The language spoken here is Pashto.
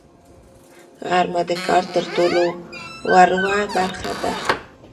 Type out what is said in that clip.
غرمه د کار تر ټولو وروه برخه ده